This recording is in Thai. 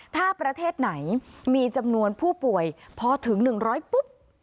ถ้าประเทศไหนมีจำนวนผู้ป่วยพอถึง๑๐๐ปุ๊บ